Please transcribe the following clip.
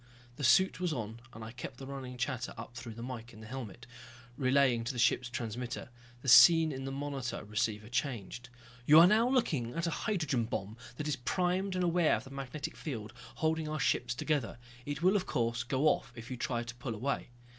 The suit was on, and I kept the running chatter up through the mike in the helmet, relaying to the ship's transmitter. The scene in the monitor receiver changed. "You are now looking at a hydrogen bomb that is primed and aware of the magnetic field holding our ships together. It will, of course, go off if you try to pull away."